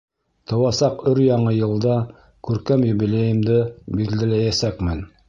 Тыуасаҡ өр-яңы йылда күркәм юбилейымды билдәләйәсәкмен.